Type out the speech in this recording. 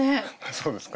そうですか？